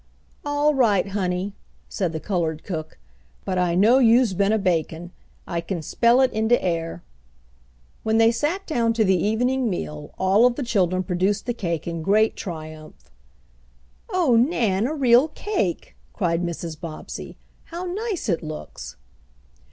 "All right, honey," said the colored cook. "But I know youse been a bakin' I kin smell it in de air." When they sat down to the evening meal all of the children produced the cake in great triumph. "Oh, Nan, a real cake!" cried Mrs. Bobbsey. "How nice it looks!"